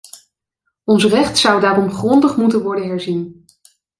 Ons recht zou daarom grondig moeten worden herzien.